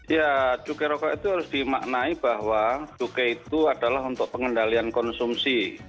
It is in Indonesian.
ya cukai rokok itu harus dimaknai bahwa cukai itu adalah untuk pengendalian konsumsi